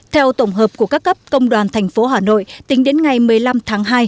theo tổng hợp của các cấp công đoàn thành phố hà nội tính đến ngày một mươi năm tháng hai